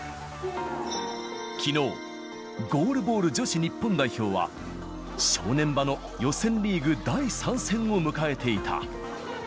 きのう、ゴールボール女子日本代表は、正念場の予選リーグ第３戦を迎えていた。